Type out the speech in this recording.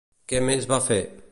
Què més va fer?